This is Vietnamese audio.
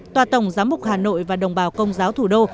tòa tổng giám mục hà nội và đồng bào công giáo thủ đô